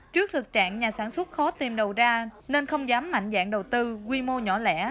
trước thực trạng nhà sản xuất khó tìm đầu ra nên không dám mạnh dạng đầu tư quy mô nhỏ lẻ